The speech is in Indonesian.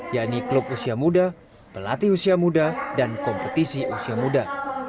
yakni klub usia muda pelatih usia muda dan kompetisi usia muda